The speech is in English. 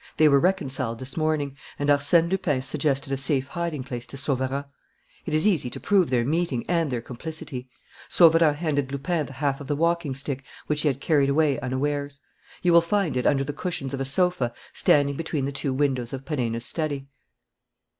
They were reconciled this morning, and Arsène Lupin suggested a safe hiding place to Sauverand. It is easy to prove their meeting and their complicity. Sauverand handed Lupin the half of the walking stick which he had carried away unawares. You will find it under the cushions of a sofa standing between the two windows of Perenna's study.